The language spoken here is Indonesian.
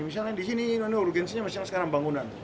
misalnya di sini ini urgensinya sekarang bangunan